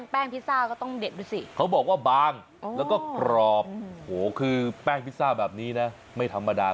แป้งพิซซ่าก็ต้องเด็ดดูสิเขาบอกว่าบางแล้วก็กรอบโอ้โหคือแป้งพิซซ่าแบบนี้นะไม่ธรรมดา